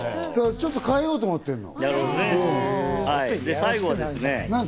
ちょっと変えようと思ってるの。